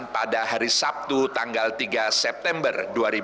pada hari sabtu tanggal tiga september dua ribu dua puluh